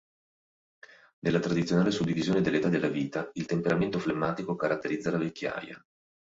Nella tradizionale suddivisione delle età della vita, il temperamento flemmatico caratterizza la vecchiaia.